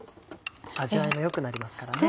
味わいも良くなりますからね。